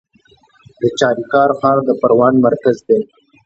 د چاریکار ښار د پروان مرکز دی